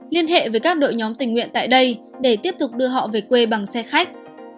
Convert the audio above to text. liên hệ với các đội nhóm tình nguyện tại đây để tiếp tục đưa họ về quê bằng xe khách